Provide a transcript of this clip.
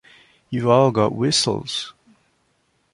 You've all got whistles?